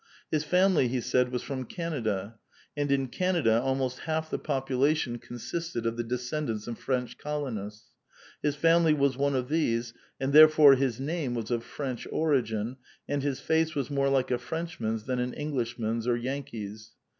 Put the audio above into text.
His family, he said, was from Canada ; and in Canada almost half the population consisted of the de scendants of French colonists ; his family was one of these, and therefore his name was of French origin, and his face was more like a Frenchman's than an Euglishman's or Yankee's.